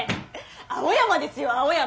青山ですよ青山。